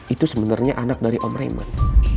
itu sebenernya anak dari om raymond